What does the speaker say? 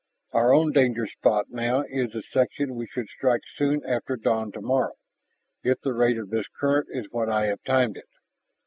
Our own danger spot now is the section we should strike soon after dawn tomorrow if the rate of this current is what I have timed it.